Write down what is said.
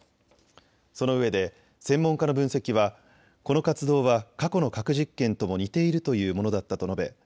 そのうえで専門家の分析はこの活動は過去の核実験とも似ているというものだったと述べ